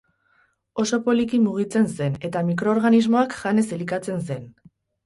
Oso poliki mugitzen zen eta mikroorganismoak janez elikatzen zen.